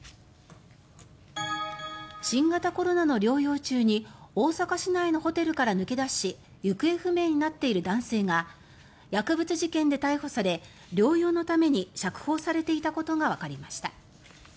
新型コロナの療養中に大阪市内のホテルから抜け出し行方不明になっている男性が薬物事件で逮捕され療養のために釈放されていたことがわかりました。